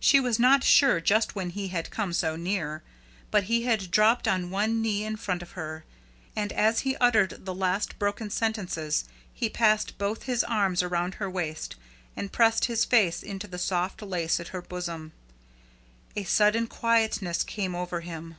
She was not sure just when he had come so near; but he had dropped on one knee in front of her, and, as he uttered the last broken sentences, he passed both his arms around her waist and pressed his face into the soft lace at her bosom. A sudden quietness came over him.